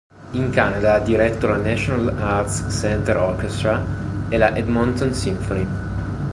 In Canada ha diretto la National Arts Center Orchestra e la Edmonton Symphony.